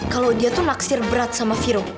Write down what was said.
kalo dia tuh naksir berat sama firo